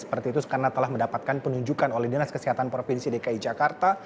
seperti itu karena telah mendapatkan penunjukan oleh dinas kesehatan provinsi dki jakarta